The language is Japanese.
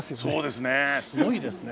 すごいですね。